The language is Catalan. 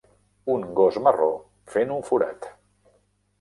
Un gos marró fent un forat.